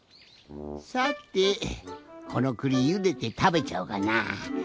さてこのくりゆでてたべちゃおうかな。